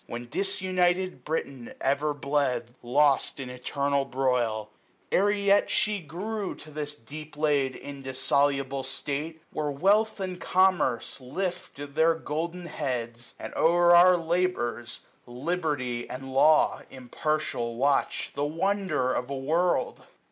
When disunited Britain ever bled, 840 Lost in eternal broil : ere yet she grew S P R I K G. 33 To this deep laid indissoluble state, Were Wealth and Commerce lift their golden heads ; And o'er our labours. Liberty and Law, Impartial, watch ; the wonder of a world